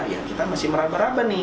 ya kita masih meraba raba nih